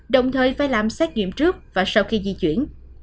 đồng thời phải làm xét nghiệm trước và sau khi di chuyển